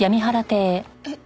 えっ？